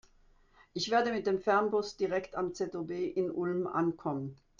Ich werde mit dem Fernbus direkt am ZOB in Ulm ankommen.